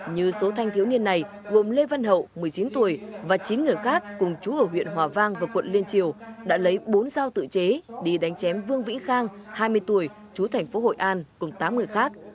như số thanh thiếu niên này gồm lê văn hậu một mươi chín tuổi và chín người khác cùng chú ở huyện hòa vang và quận liên triều đã lấy bốn sao tự chế đi đánh chém vương vĩ khang hai mươi tuổi chú thành phố hội an cùng tám người khác